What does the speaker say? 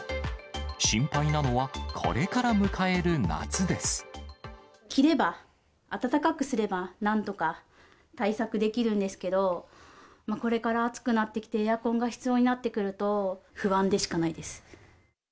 心配なのは、これから迎える夏で着れば、暖かくすればなんとか対策できるんですけど、これから暑くなってきて、エアコンが必要になってくると、不安でしかないです。